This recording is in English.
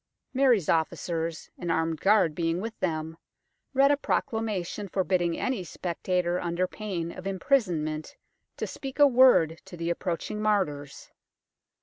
Mary's officers, an armed guard being with them, read a proclama tion forbidding any spectator under pain of imprisonment to speak a word to the approaching martyrs.